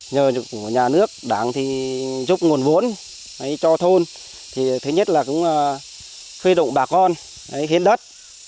nhờ nhà nước đảng thì giúp nguồn vốn cho thôn thứ nhất là cũng khuyên động bà con khiến đất